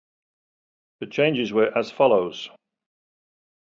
The changes were as follows.